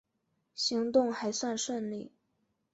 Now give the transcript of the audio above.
行动还算顺利